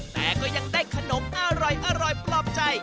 แต่ก็ยังได้ขนมอร่อยปลอบใจ